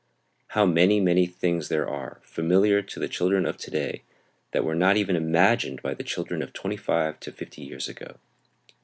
How many, many things there are, familiar to the children of to day, that were not even imagined by the children of twenty five to fifty years ago.